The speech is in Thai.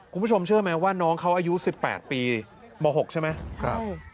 คุณผู้ชมเชื่อไหมว่าน้องเขาอายุ๑๘ปีม๖ใช่ไหม